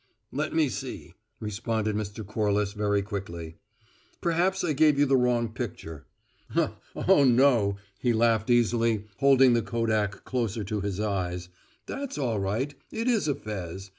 "Let me see," responded Mr. Corliss very quickly. "Perhaps I gave you the wrong picture. Oh, no," he laughed easily, holding the kodak closer to his eyes; "that's all right: it is a fez.